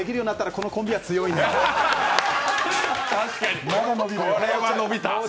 これは伸びた。